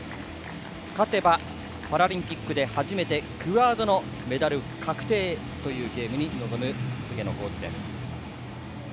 勝てばパラリンピックで初めてクアードのメダル確定という菅野浩二です。